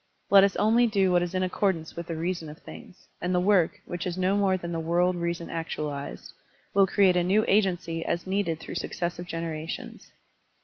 Let us only do what is in accordance with the reason of things, and the work, which is no more than the world reason actualized, will create a new agency as needed through successive generations.